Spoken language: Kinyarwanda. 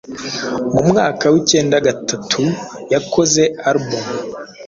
Mu mwaka w’ikenda gatatu yakoze album